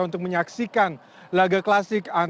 untuk menyaksikan laga klasik